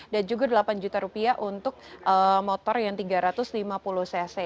dan juga rp delapan juta untuk motor yang tiga ratus lima puluh cc